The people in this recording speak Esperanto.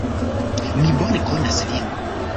Mi bone konas lin.